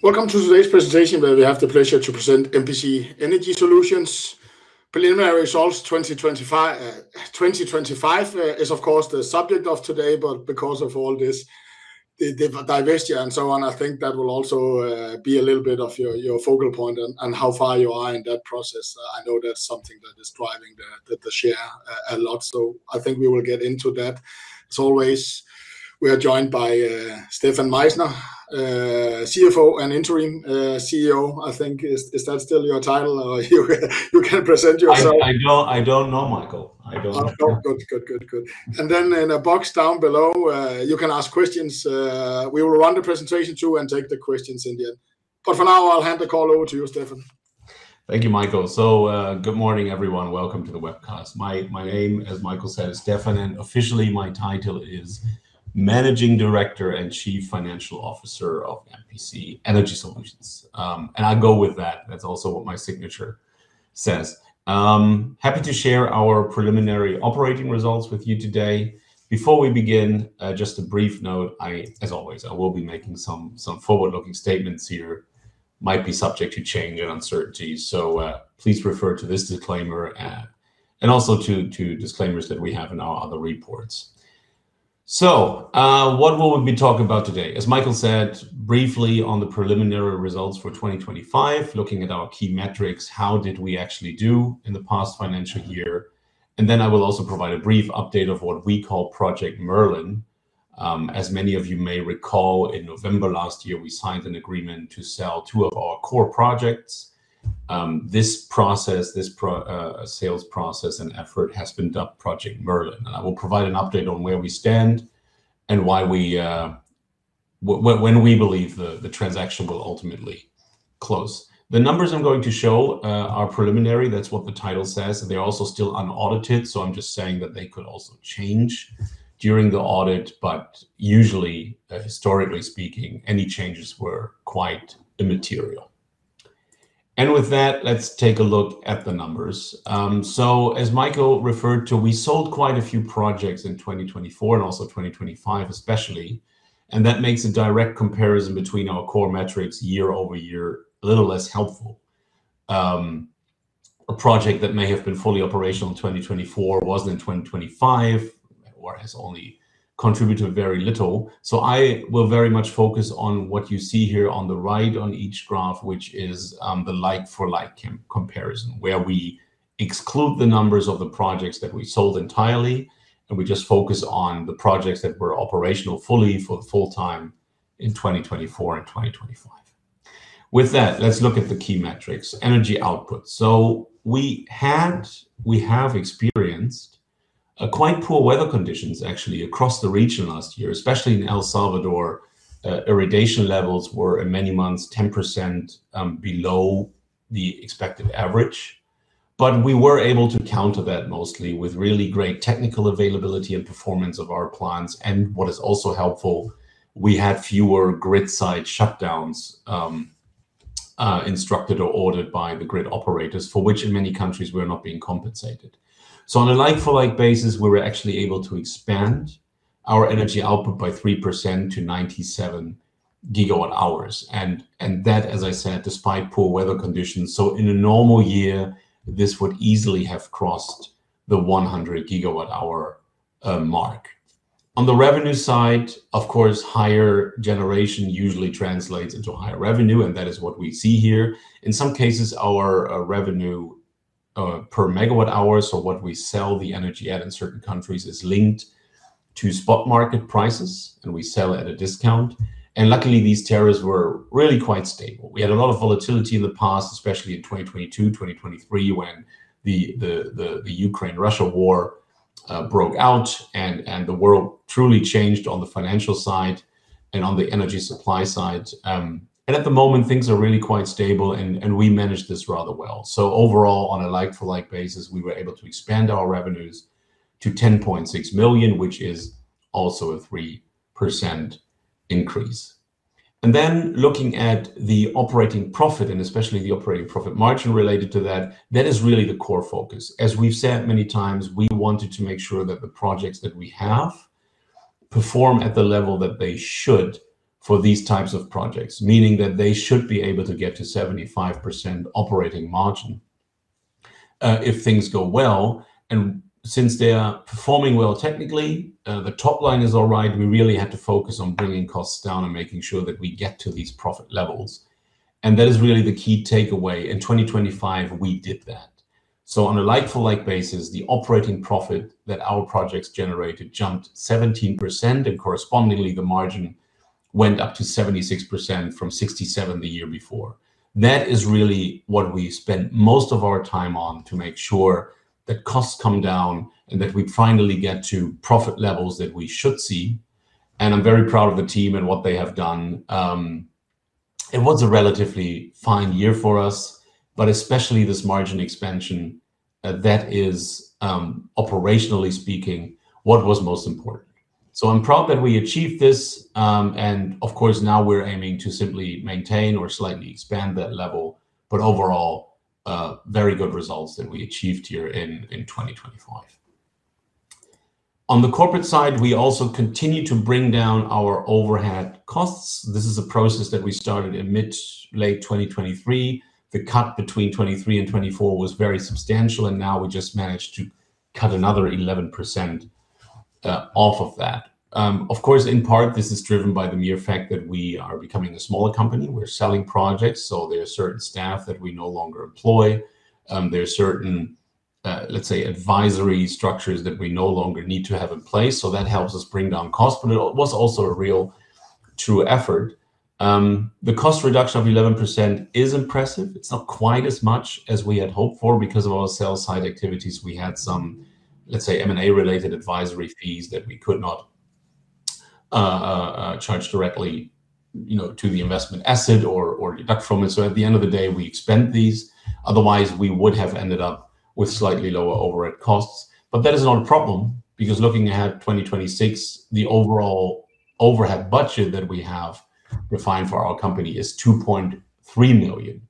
Welcome to today's presentation, where we have the pleasure to present MPC Energy Solutions. Preliminary results 2025 is of course the subject of today, because of all this, the divestiture and so on, I think that will also be a little bit of your focal point and how far you are in that process. I know that's something that is driving the share a lot, I think we will get into that. As always, we are joined by Stefan Meichsner, CFO and interim CEO. I think, is that still your title? You can present yourself. I don't know, Michael. I don't know. Oh, good. Good, good. Then in a box down below, you can ask questions. We will run the presentation through and take the questions in the end. For now, I'll hand the call over to you, Stefan. Thank you, Michael. Good morning, everyone. Welcome to the webcast. My name, as Michael said, is Stefan, and officially my title is Managing Director and Chief Financial Officer of MPC Energy Solutions. I go with that. That's also what my signature says. Happy to share our preliminary operating results with you today. Before we begin, just a brief note, as always, I will be making some forward-looking statements here, might be subject to change and uncertainty. Please refer to this disclaimer and also to disclaimers that we have in our other reports. What will we be talking about today? As Michael said, briefly on the preliminary results for 2025, looking at our key metrics, how did we actually do in the past financial year? Then I will also provide a brief update of what we call Project Merlin. As many of you may recall, in November last year, we signed an agreement to sell two of our core projects. This sales process and effort has been dubbed Project Merlin, and I will provide an update on where we stand and why we... when we believe the transaction will ultimately close. The numbers I'm going to show are preliminary. That's what the title says, and they're also still unaudited, so I'm just saying that they could also change during the audit. Usually, historically speaking, any changes were quite immaterial. With that, let's take a look at the numbers. As Michael referred to, we sold quite a few projects in 2024 and also 2025, especially. That makes a direct comparison between our core metrics year-over-year a little less helpful. A project that may have been fully operational in 2024, wasn't in 2025, or has only contributed very little. I will very much focus on what you see here on the right on each graph, which is the like-for-like comparison, where we exclude the numbers of the projects that we sold entirely, and we just focus on the projects that were operational fully for full-time in 2024 and 2025. With that, let's look at the key metrics. Energy output. We have experienced quite poor weather conditions, actually, across the region last year, especially in El Salvador. Irrigation levels were, in many months, 10%, below the expected average. We were able to counter that mostly with really great technical availability and performance of our plants. What is also helpful, we had fewer grid-side shutdowns, instructed or ordered by the grid operators, for which in many countries we're not being compensated. On a like-for-like basis, we were actually able to expand our energy output by 3% to 97 GWh. That, as I said, despite poor weather conditions. In a normal year, this would easily have crossed the 100 GWh mark. On the revenue side, of course, higher generation usually translates into higher revenue, and that is what we see here. In some cases, our revenue per megawatt hour, so what we sell the energy at in certain countries, is linked to spot market prices, and we sell at a discount. Luckily, these tariffs were really quite stable. We had a lot of volatility in the past, especially in 2022, 2023, when the Ukraine-Russia War broke out, and the world truly changed on the financial side and on the energy supply side. At the moment, things are really quite stable, and we managed this rather well. Overall, on a like-for-like basis, we were able to expand our revenues to $10.6 million, which is also a 3% increase. Then looking at the operating profit, and especially the operating profit margin related to that is really the core focus. As we've said many times, we wanted to make sure that the projects that we have perform at the level that they should for these types of projects, meaning that they should be able to get to 75% operating margin, if things go well. Since they are performing well technically, the top line is all right, we really had to focus on bringing costs down and making sure that we get to these profit levels, that is really the key takeaway. In 2025, we did that. On a like-for-like basis, the operating profit that our projects generated jumped 17%, correspondingly, the margin went up to 76% from 67% the year before. That is really what we spent most of our time on to make sure that costs come down and that we finally get to profit levels that we should see. I'm very proud of the team and what they have done. It was a relatively fine year for us, but especially this margin expansion, that is, operationally speaking, what was most important. I'm proud that we achieved this, and of course, now we're aiming to simply maintain or slightly expand that level. Overall, very good results that we achieved here in 2025. On the corporate side, we also continue to bring down our overhead costs. This is a process that we started in mid, late 2023. The cut between 2023 and 2024 was very substantial, and now we just managed to cut another 11% off of that. Of course, in part, this is driven by the mere fact that we are becoming a smaller company. We're selling projects, so there are certain staff that we no longer employ. There are certain, let's say, advisory structures that we no longer need to have in place, so that helps us bring down costs, but it was also a real true effort. The cost reduction of 11% is impressive. It's not quite as much as we had hoped for. Because of our sales side activities, we had some, let's say, M&A-related advisory fees that we could not charge directly, you know, to the investment asset or deduct from it. At the end of the day, we expend these. Otherwise, we would have ended up with slightly lower overhead costs. That is not a problem, because looking ahead, 2026, the overall overhead budget that we have refined for our company is $2.3 million.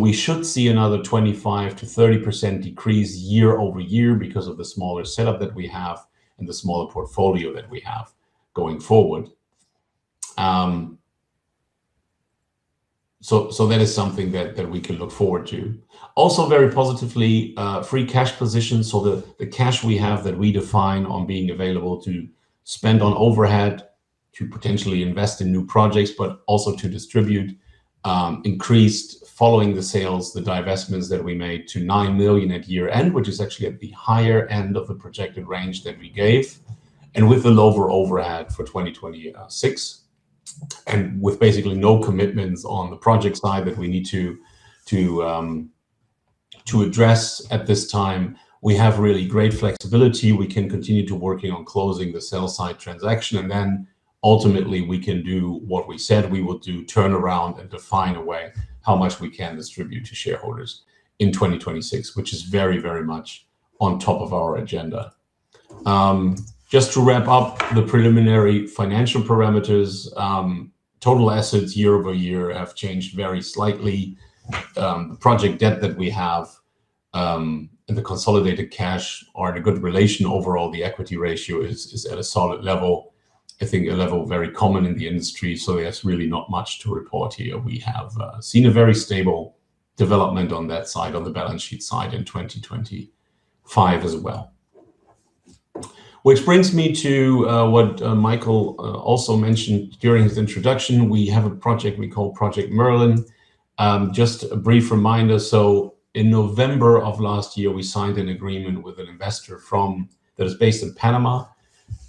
We should see another 25%-30% decrease year-over-year because of the smaller setup that we have and the smaller portfolio that we have going forward. That is something that we can look forward to. Also, very positively, free cash position. The cash we have that we define on being available to spend on overhead, to potentially invest in new projects, but also to distribute, increased following the sales, the divestments that we made to $9 million at year-end, which is actually at the higher end of the projected range that we gave, and with the lower overhead for 2026, and with basically no commitments on the project side that we need to address at this time. We have really great flexibility. We can continue to working on closing the sell-side transaction, and then ultimately, we can do what we said we would do, turn around and define a way how much we can distribute to shareholders in 2026, which is very, very much on top of our agenda. Just to wrap up the preliminary financial parameters, total assets year-over-year have changed very slightly. The project debt that we have, and the consolidated cash are in a good relation. Overall, the equity ratio is at a solid level, I think a level very common in the industry. There's really not much to report here. We have seen a very stable development on that side, on the balance sheet side in 2025 as well. Which brings me to what Michael also mentioned during his introduction. We have a project we call Project Merlin. Just a brief reminder, in November of last year, we signed an agreement with an investor from... that is based in Panama,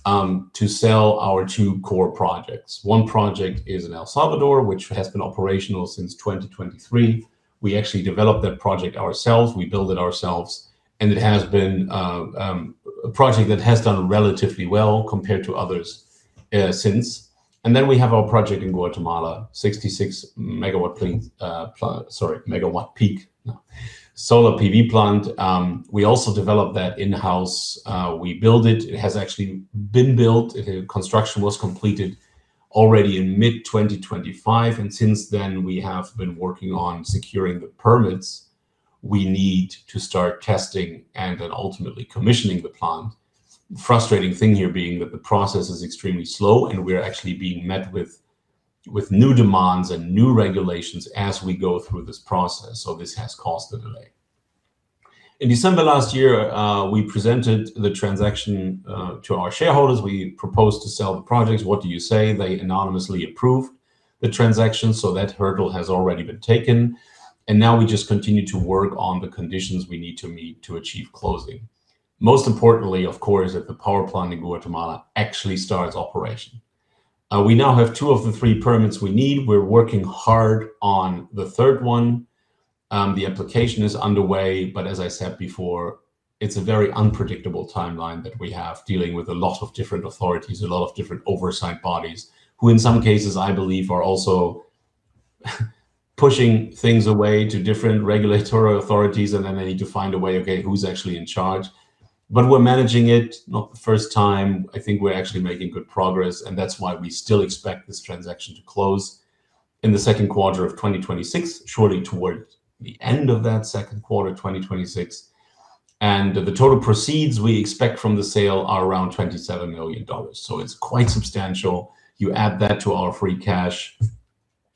to sell our two core projects. One project is in El Salvador, which has been operational since 2023. We actually developed that project ourselves. We built it ourselves. It has been a project that has done relatively well compared to others since. We have our project in Guatemala, 66 MW peak solar PV plant. We also developed that in-house. We built it. It has actually been built. Construction was completed already in mid-2025. Since then, we have been working on securing the permits we need to start testing and then ultimately commissioning the plant. The frustrating thing here being that the process is extremely slow. We are actually being met with new demands and new regulations as we go through this process. This has caused a delay. In December last year, we presented the transaction to our shareholders. We proposed to sell the projects. What do you say? They anonymously approved the transaction. That hurdle has already been taken. Now we just continue to work on the conditions we need to meet to achieve closing. Most importantly, of course, if the power plant in Guatemala actually starts operation. We now have two of the three permits we need. We're working hard on the third one. The application is underway, but as I said before, it's a very unpredictable timeline that we have, dealing with a lot of different authorities, a lot of different oversight bodies, who in some cases, I believe, are also pushing things away to different regulatory authorities, and then they need to find a way, okay, who's actually in charge? We're managing it, not the first time. I think we're actually making good progress, and that's why we still expect this transaction to close in the 2nd quarter of 2026, shortly towards the end of that 2nd quarter, 2026. The total proceeds we expect from the sale are around $27 million, so it's quite substantial. You add that to our free cash,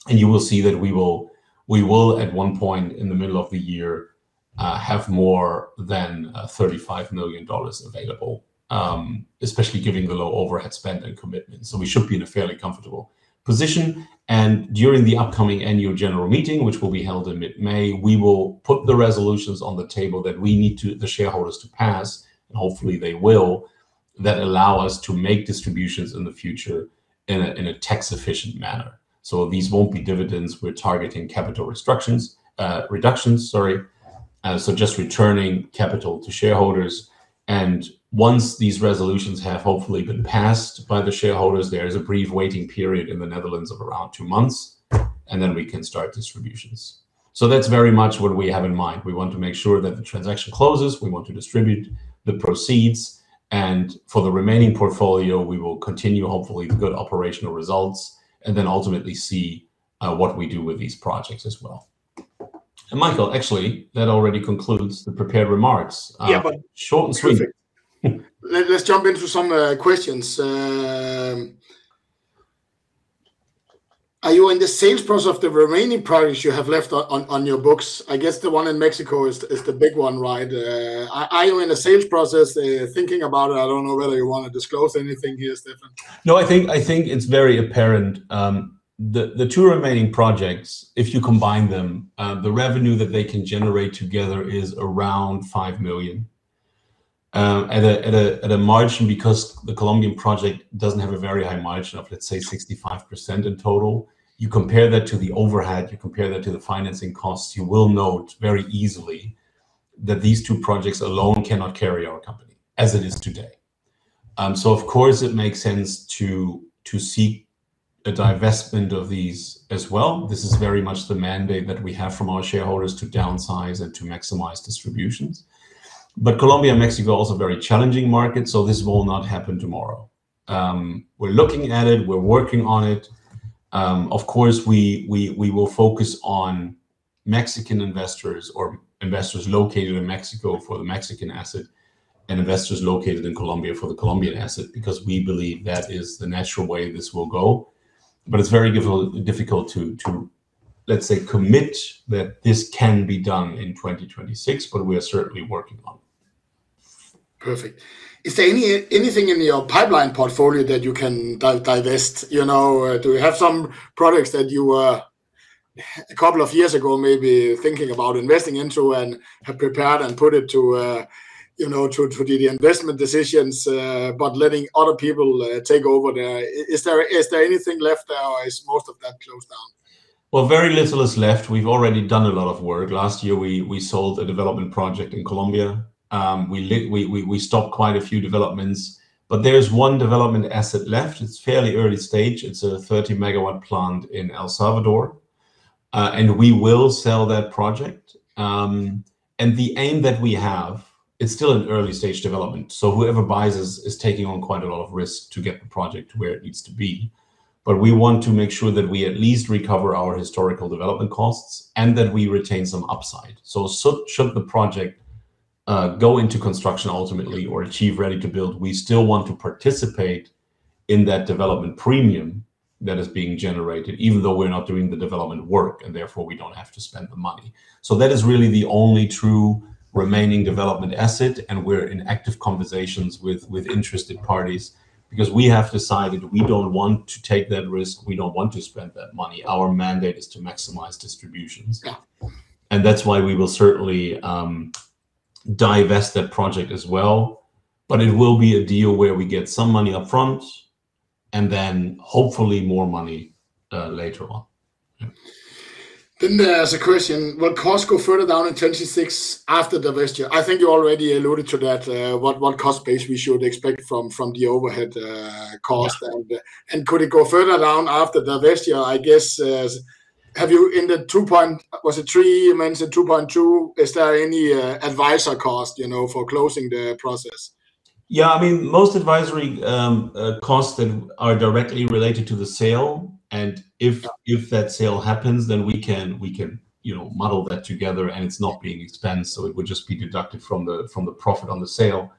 and you will see that we will, at one point in the middle of the year, have more than $35 million available, especially given the low overhead spend and commitment, so we should be in a fairly comfortable position. During the upcoming Annual General Meeting, which will be held in mid-May, we will put the resolutions on the table that we need to the shareholders to pass, and hopefully they will, that allow us to make distributions in the future in a tax-efficient manner. These won't be dividends. We're targeting capital reductions, so just returning capital to shareholders. Once these resolutions have hopefully been passed by the shareholders, there is a brief waiting period in the Netherlands of around two months, and then we can start distributions. That's very much what we have in mind. We want to make sure that the transaction closes, we want to distribute the proceeds, and for the remaining portfolio, we will continue, hopefully, good operational results, and then ultimately see what we do with these projects as well. Michael, actually, that already concludes the prepared remarks. Yeah. Short and sweet. Perfect. Let's jump into some questions. Are you in the sales process of the remaining projects you have left on your books? I guess the one in Mexico is the big one, right? Are you in a sales process, thinking about it? I don't know whether you wanna disclose anything here, Stefan. No, I think it's very apparent. The two remaining projects, if you combine them, the revenue that they can generate together is around $5 million. At a margin, because the Colombian project doesn't have a very high margin of, let's say, 65% in total. You compare that to the overhead, you compare that to the financing costs, you will note very easily that these two projects alone cannot carry our company as it is today. Of course it makes sense to seek a divestment of these as well. This is very much the mandate that we have from our shareholders to downsize and to maximize distributions. Colombia and Mexico are also very challenging markets, so this will not happen tomorrow. We're looking at it, we're working on it. Of course, we will focus on Mexican investors or investors located in Mexico for the Mexican asset, and investors located in Colombia for the Colombian asset, because we believe that is the natural way this will go. It's very difficult to, let's say, commit that this can be done in 2026, but we are certainly working on it. Perfect. Is there anything in your pipeline portfolio that you can divest? You know, do you have some projects that you were, a couple of years ago, maybe thinking about investing into and have prepared and put it to, you know, to the investment decisions, but letting other people take over the... Is there anything left, or is most of that closed down? Very little is left. We've already done a lot of work. Last year, we sold a development project in Colombia. We stopped quite a few developments. There's one development asset left. It's fairly early stage. It's a 30 MW plant in El Salvador. We will sell that project. The aim that we have. It's still an early-stage development. Whoever buys is taking on quite a lot of risk to get the project to where it needs to be. We want to make sure that we at least recover our historical development costs and that we retain some upside. Should the project go into construction ultimately or achieve ready-to-build, we still want to participate in that development premium that is being generated, even though we're not doing the development work, and therefore, we don't have to spend the money. That is really the only true remaining development asset, and we're in active conversations with interested parties because we have decided we don't want to take that risk, we don't want to spend that money. Our mandate is to maximize distributions. Yeah. That's why we will certainly divest that project as well. It will be a deal where we get some money up front and then hopefully more money later on. Yeah. There's a question, will costs go further down in 2026 after divestiture? I think you already alluded to that, what cost base we should expect from the overhead. Yeah... and could it go further down after divest year, I guess, have you in the $2 point... Was it $3 million? You mentioned $2.2 million. Is there any advisor cost, you know, for closing the process? Yeah, I mean, most advisory costs that are directly related to the sale, and if that sale happens, then we can, you know, model that together, and it's not being expensed, so it would just be deducted from the profit on the sale.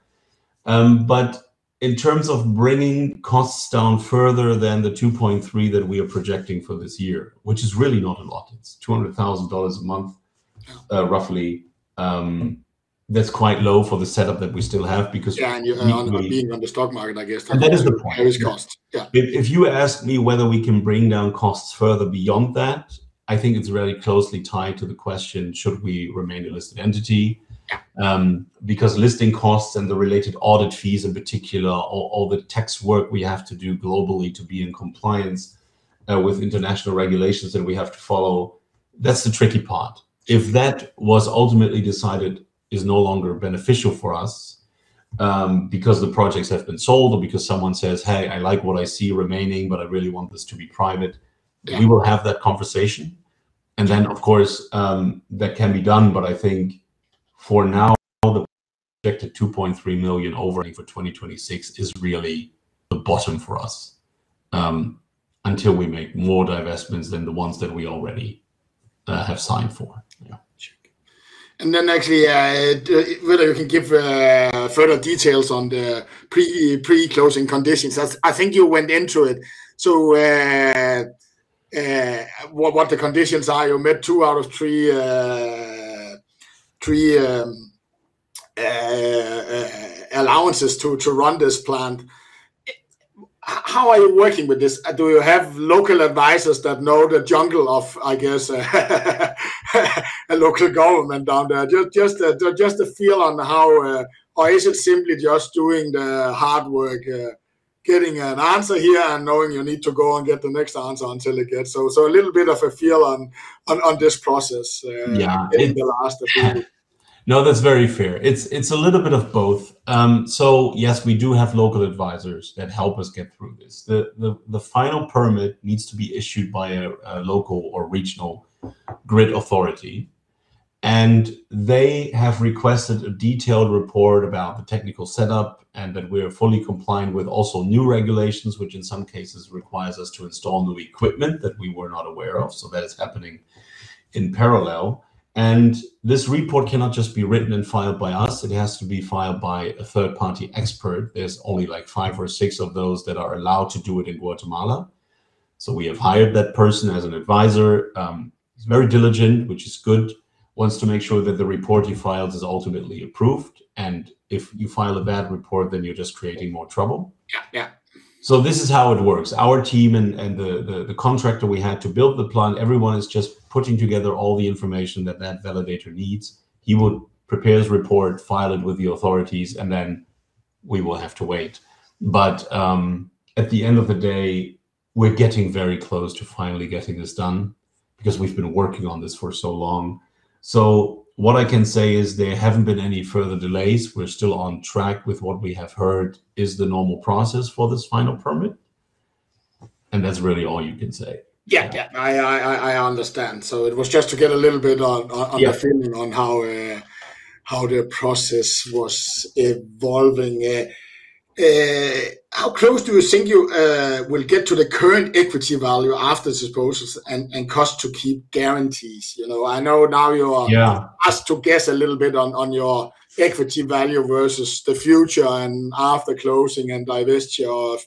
In terms of bringing costs down further than the $2.3 million that we are projecting for this year, which is really not a lot, it's $200,000 a month, roughly. That's quite low for the setup that we still have. Yeah, you're on, being on the stock market, I guess. That is the point.... there is cost. Yeah. If you ask me whether we can bring down costs further beyond that, I think it's very closely tied to the question, should we remain a listed entity? Yeah. Because listing costs and the related audit fees, in particular, all the tax work we have to do globally to be in compliance with international regulations that we have to follow, that's the tricky part. If that was ultimately decided is no longer beneficial for us, because the projects have been sold or because someone says, "Hey, I like what I see remaining, but I really want this to be private. Yeah We will have that conversation. Of course, that can be done. For now, the projected $2.3 million over for 2026 is really the bottom for us, until we make more divestments than the ones that we already have signed for. Yeah. Sure. Actually, whether you can give further details on the pre-closing conditions. That's I think you went into it. What the conditions are, you met two out of three allowances to run this plant. How are you working with this? Do you have local advisors that know the jungle of, I guess, a local government down there? Just a feel on how... Is it simply just doing the hard work, getting an answer here and knowing you need to go and get the next answer until it gets? A little bit of a feel on this process. Yeah in the last few. No, that's very fair. It's a little bit of both. Yes, we do have local advisors that help us get through this. The final permit needs to be issued by a local or regional grid authority. They have requested a detailed report about the technical setup and that we're fully compliant with also new regulations, which in some cases requires us to install new equipment that we were not aware of. That is happening in parallel. This report cannot just be written and filed by us, it has to be filed by a third-party expert. There's only, like, five or six of those that are allowed to do it in Guatemala. We have hired that person as an advisor. He's very diligent, which is good. Wants to make sure that the report he files is ultimately approved, and if you file a bad report, then you're just creating more trouble. Yeah. Yeah. This is how it works. Our team and the contractor we had to build the plant, everyone is just putting together all the information that that validator needs. He will prepare his report, file it with the authorities, then we will have to wait. At the end of the day, we're getting very close to finally getting this done because we've been working on this for so long. What I can say is there haven't been any further delays. We're still on track with what we have heard is the normal process for this final permit. That's really all you can say. Yeah. Yeah, I understand. It was just to get a little bit on. Yeah... The feeling on how the process was evolving. How close do you think you will get to the current equity value after this process and cost to keep guarantees? You know, I know now you are. Yeah... asked to guess a little bit on your equity value versus the future and after closing and divestiture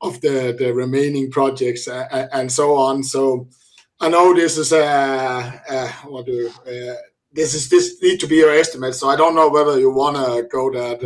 of the remaining projects and so on. I know this need to be your estimate, so I don't know whether you wanna go that.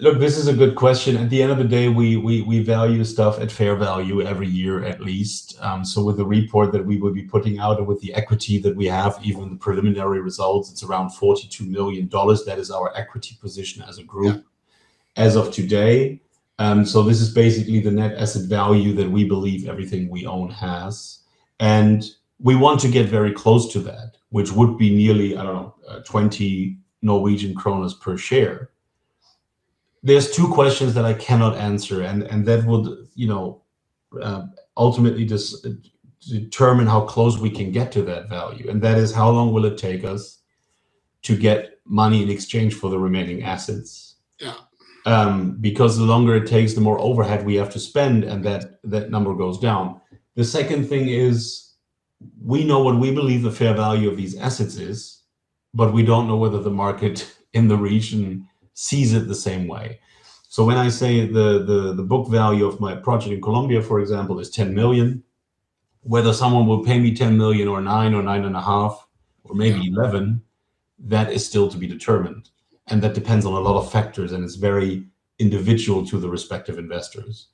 Look, this is a good question. At the end of the day, we value stuff at fair value every year at least. With the report that we will be putting out, with the equity that we have, even the preliminary results, it's around $42 million. That is our equity position as a group- Yeah... as of today. This is basically the net asset value that we believe everything we own has, and we want to get very close to that, which would be nearly, I don't know, 20 Norwegian kroner per share. There's two questions that I cannot answer, and that would, you know, ultimately just determine how close we can get to that value, and that is, how long will it take us to get money in exchange for the remaining assets? Yeah. Because the longer it takes, the more overhead we have to spend, and that number goes down. The second thing is, we know what we believe the fair value of these assets is, but we don't know whether the market in the region sees it the same way. When I say the book value of my project in Colombia, for example, is $10 million, whether someone will pay me $10 million, or $9 million, or $9.5 million, or maybe $11 million... Yeah... that is still to be determined, and that depends on a lot of factors, and it's very individual to the respective investors.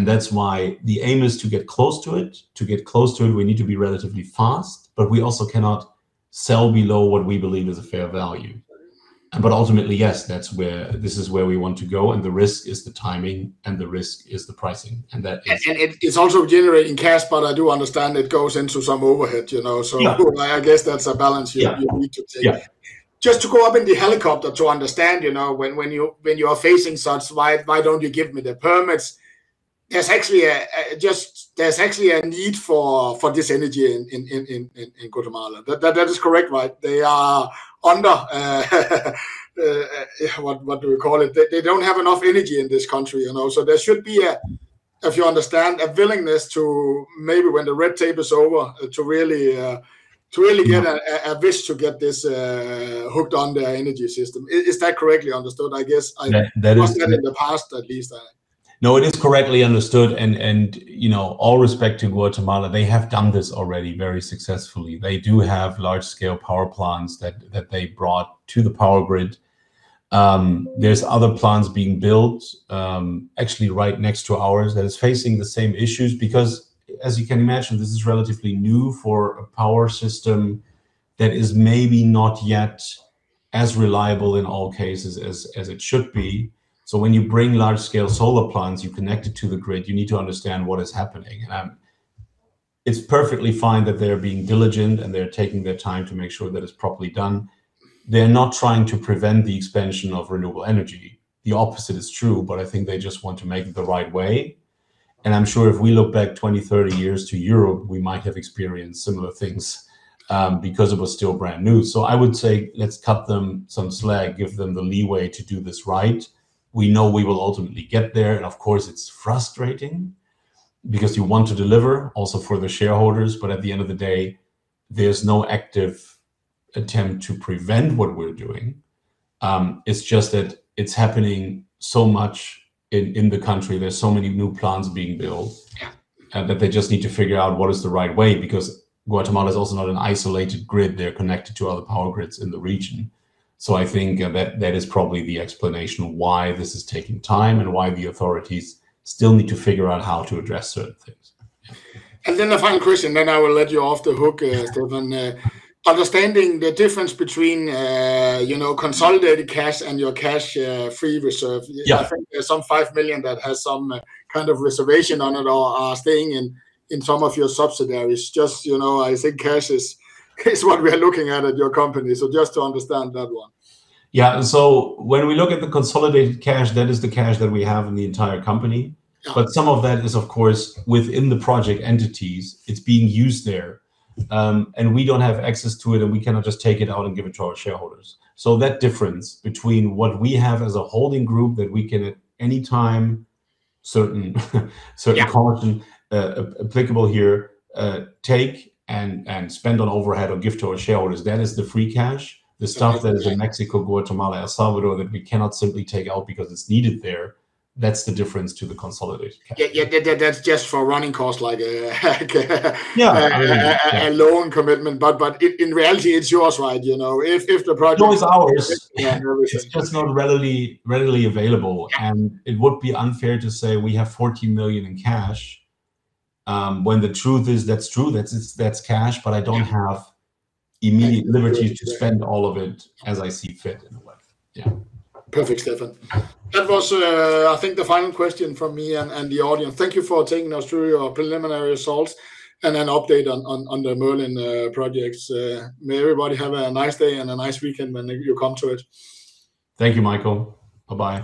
That's why the aim is to get close to it. To get close to it, we need to be relatively fast, but we also cannot sell below what we believe is a fair value. Ultimately, yes, that's where... This is where we want to go, and the risk is the timing, and the risk is the pricing, and that is- It's also generating cash, but I do understand it goes into some overhead, you know? Yeah. I guess that's a balance. Yeah... you need to take. Yeah. Just to go up in the helicopter to understand, you know, when you are facing such, "Why, why don't you give me the permits?" There's actually a need for this energy in Guatemala. That is correct, right? They are under what do we call it? They don't have enough energy in this country, you know, so there should be if you understand, a willingness to maybe when the red tape is over, to really get a wish to get this hooked on the energy system. Is that correctly understood? I guess. That. I've said in the past at least that. No, it is correctly understood, and, you know, all respect to Guatemala, they have done this already very successfully. They do have large-scale power plants that they brought to the power grid. There's other plants being built, actually right next to ours that is facing the same issues because, as you can imagine, this is relatively new for a power system that is maybe not yet as reliable in all cases as it should be. When you bring large-scale solar plants, you connect it to the grid, you need to understand what is happening. It's perfectly fine that they're being diligent, and they're taking their time to make sure that it's properly done. They're not trying to prevent the expansion of renewable energy. The opposite is true, I think they just want to make it the right way, and I'm sure if we look back 20, 30 years to Europe, we might have experienced similar things, because it was still brand new. I would say let's cut them some slack, give them the leeway to do this right. We know we will ultimately get there. Of course, it's frustrating because you want to deliver also for the shareholders, at the end of the day, there's no active attempt to prevent what we're doing. It's just that it's happening so much in the country. There's so many new plants being built. Yeah that they just need to figure out what is the right way, because Guatemala is also not an isolated grid. They're connected to other power grids in the region. I think that that is probably the explanation why this is taking time and why the authorities still need to figure out how to address certain things. The final question, then I will let you off the hook, Stefan. Understanding the difference between, you know, consolidated cash and your cash, free reserve. Yeah. I think there's some $5 million that has some kind of reservation on it or are staying in some of your subsidiaries. Just, you know, I think cash is what we're looking at your company, so just to understand that one. Yeah. When we look at the consolidated cash, that is the cash that we have in the entire company. Yeah. Some of that is, of course, within the project entities. It's being used there, and we don't have access to it, and we cannot just take it out and give it to our shareholders. That difference between what we have as a holding group that we can at any time. Yeah... Certain caution, applicable here, take and spend on overhead or give to our shareholders, that is the free cash. Yeah. The stuff that is in Mexico, Guatemala, El Salvador, that we cannot simply take out because it's needed there, that's the difference to the consolidated cash. Yeah, that's just for running costs like. Yeah. A loan commitment, but in reality, it's yours, right? You know, if the project- It is ours. Yeah. It's just not readily available and it would be unfair to say we have $14 million in cash, when the truth is that's true, that's cash but i don't have immediate liberty to spend all of it as I see fit in a way. Yeah. Perfect, Stefan. That was, I think the final question from me and the audience. Thank you for taking us through your preliminary results and an update on the Merlin projects. May everybody have a nice day and a nice weekend when you come to it. Thank you, Michael. Bye-bye.